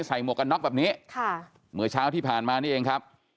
หมวกกันน็อกแบบนี้ค่ะเมื่อเช้าที่ผ่านมานี่เองครับ